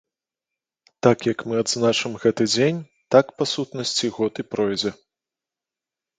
Так, як мы адзначым гэты дзень, так, па сутнасці, год і пройдзе.